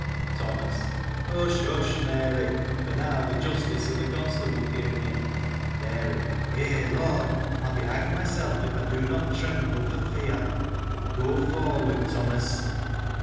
Thomas. — Hush ! hush ! Mary ; for now th' Justice and th' Constable came in. Mary. — Eh, Lord ! I'll be hanged myself, if I do not tremble for fear : but go forward, Thomas.